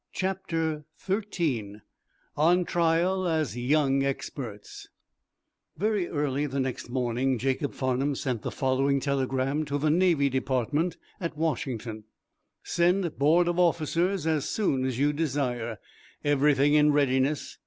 CHAPTER XIII ON TRAIL AS YOUNG EXPERTS Very early the next morning Jacob Farnum sent the following telegram to the Navy Department at Washington: _"Send board of officers as soon as you desire. Everything in readiness.